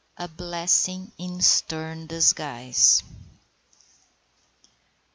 *A BLESSING IN STERN DISGUISE.